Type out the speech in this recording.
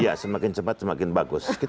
ya semakin cepat semakin bagus